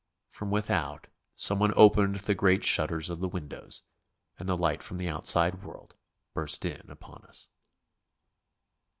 From without someone opened the great shutters of the windows, and the light from the outside world burst in upon us.